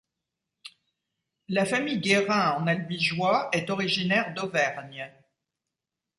La famille Guerin en Albigeois est originaire d'Auvergne.